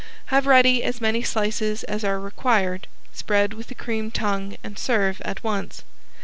Have ready as many slices as are required, spread with the creamed tongue and serve at once.